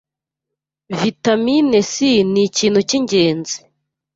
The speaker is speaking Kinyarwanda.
Vitamine C ni ikintu cy’ingenzi